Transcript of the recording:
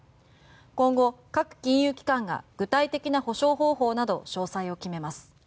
今後、各金融機関が具体的な補償方法など詳細を決めます。